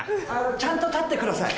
ちゃんと立ってください。